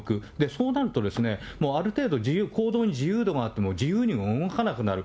そうなると、もうある程度、自由、行動に自由度があっても、自由には動かなくなる。